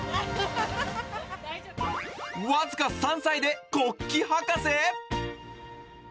僅か３歳で国旗博士？